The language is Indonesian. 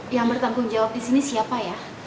yang bertanggung jawab di sini siapa ya